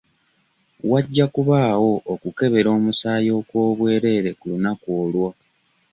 Wajja kubaawo okukebera omusaayi okw'obwereere ku lunaku olwo.